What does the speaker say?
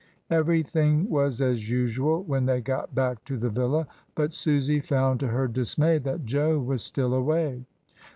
Everything was as usual when they got back to the villa, but Susy found to her dismay that Jo was still away.